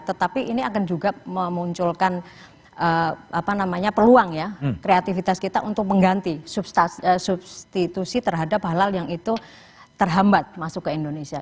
tetapi ini akan juga memunculkan peluang ya kreativitas kita untuk mengganti substitusi terhadap hal hal yang itu terhambat masuk ke indonesia